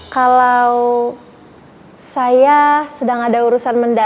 kalau saya sedang ada urusan mendadak